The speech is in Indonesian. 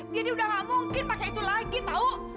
jadi udah gak mungkin pake itu lagi tau